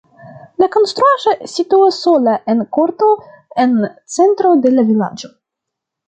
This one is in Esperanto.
La konstruaĵo situas sola en korto en centro de la vilaĝo.